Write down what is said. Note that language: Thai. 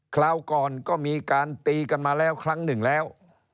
คราวก่อนก็มีการตีกันมาแล้วครั้งหนึ่งแล้ว